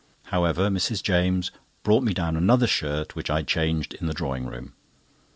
However, Mrs. James brought me down another shirt, which I changed in the drawing room.